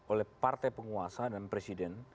oleh partai penguasa dan presiden